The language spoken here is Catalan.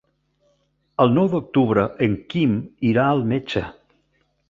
El nou d'octubre en Quim irà al metge.